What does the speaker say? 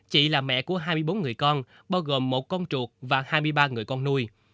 chị là mẹ của hai mươi bốn người con bao gồm một con chuột và hai mươi ba người con nuôi